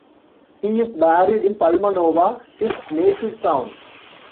He is buried in Palmanova, his native town.